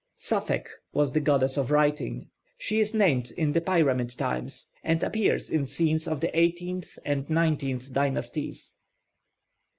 +Safekh+ was the goddess of writing. She is named in the pyramid times, and appears in scenes of the eighteenth and nineteenth dynasties.